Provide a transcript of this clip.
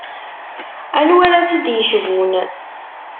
Anwa ara t-id-yecbun?